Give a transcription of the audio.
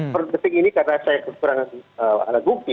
seperti ini karena saya kekurangan alat bukti